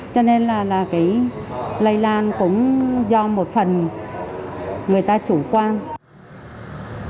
cho nên là cái lây lan cũng do một phần người ta chủ quan